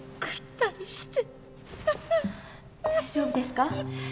大丈夫ですか？